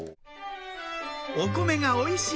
お米がおいしい